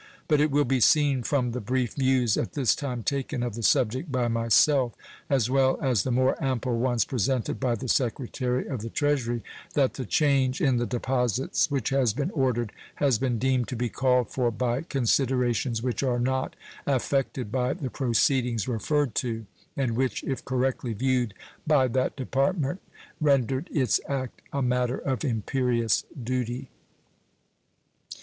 But it will be seen from the brief views at this time taken of the subject by myself, as well as the more ample ones presented by the Secretary of the Treasury, that the change in the deposits which has been ordered has been deemed to be called for by considerations which are not affected by the proceedings referred to, and which, if correctly viewed by that Department, rendered its act a matter of imperious duty.